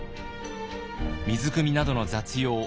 水くみなどの雑用